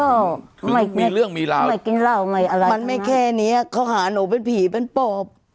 คือมีเรื่องมีราวมันไม่แค่เนี้ยเขาหาหนูเป็นผีเป็นปลอบ